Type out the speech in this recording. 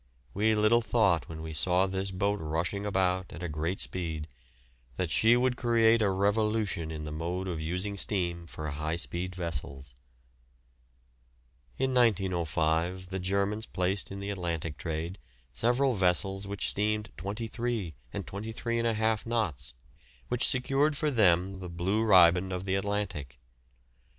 We little thought when we saw this boat rushing about at a great speed that she would create a revolution in the mode of using steam for high speed vessels. In 1905 the Germans placed in the Atlantic trade several vessels which steamed 23 and 23½ knots, which secured for them the blue riband of the Atlantic.